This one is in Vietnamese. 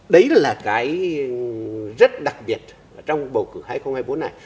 đấy là cái rất đặc biệt trong bầu cử hai nghìn hai mươi bốn này